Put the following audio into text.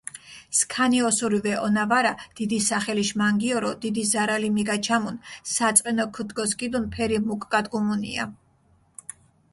სქანი ოსური ვეჸონა ვარა, დიდი სახელიშ მანგიორო დიდი ზარალი მიგაჩამუნ, საწყენო ქჷდგოსქიდუნ ფერი მუკგადგუმუნია.